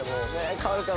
変わるかな？